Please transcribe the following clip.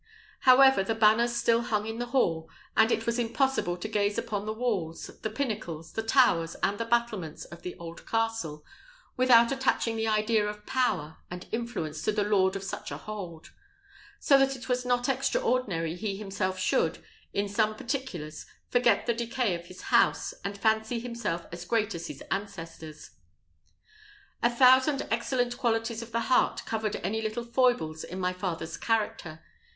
However, the banners still hung in the hall; and it was impossible to gaze upon the walls, the pinnacles, the towers, and the battlements of the old castle, without attaching the idea of power and influence to the lord of such a hold; so that it was not extraordinary he himself should, in some particulars forget the decay of his house, and fancy himself as great as his ancestors. A thousand excellent qualities of the heart covered any little foibles in my father's character.